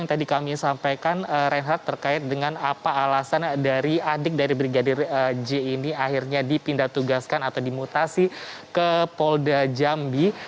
yang tadi kami sampaikan reinhardt terkait dengan apa alasan dari adik dari brigadir j ini akhirnya dipindah tugaskan atau dimutasi ke polda jambi